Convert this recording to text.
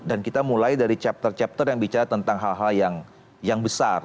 dan kita mulai dari chapter chapter yang bicara tentang hal hal yang besar